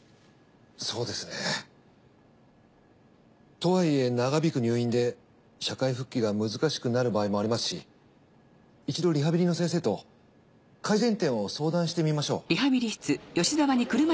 そうですね。とはいえ長引く入院で社会復帰が難しくなる場合もありますし一度リハビリの先生と改善点を相談してみましょう。